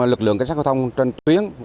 lực lượng cảnh sát hình sự trong tuyến